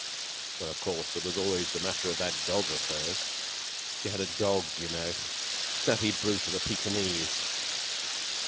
"Well, of course, there was always the matter of that dog of hers. She had a dog, you know, a snappy brute of a Pekingese.